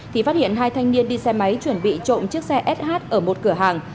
thì phát hiện hai thanh niên đi xe máy chuẩn bị trộm chiếc xe sh ở một cửa hàng